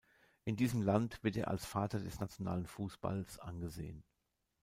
In diesem Land wird er als „Vater des nationalen Fußballs“ angesehen.